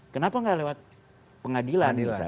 kenapa tidak lewat pengadilan